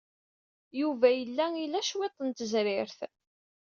Yuba yella ila cwiṭ n tezrirt.